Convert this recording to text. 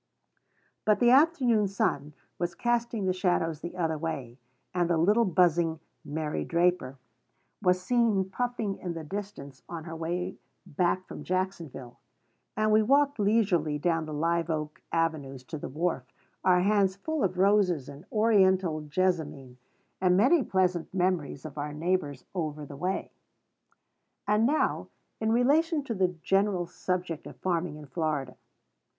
But the afternoon sun was casting the shadows the other way, and the little buzzing "Mary Draper" was seen puffing in the distance on her way back from Jacksonville; and we walked leisurely down the live oak avenues to the wharf, our hands full of roses and Oriental jessamine, and many pleasant memories of our neighbors over the way. And now in relation to the general subject of farming in Florida.